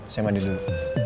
saya mandi dulu